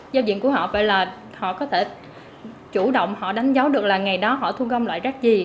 giao diện của họ phải là họ có thể chủ động đánh dấu được là ngày đó họ thu gom loại rac gì